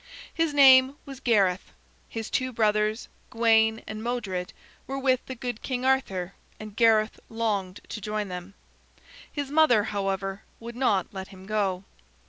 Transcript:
His name was Gareth. His two brothers, Gawain and Modred, were with the good King Arthur, and Gareth longed to join them. His mother, however, would not let him go.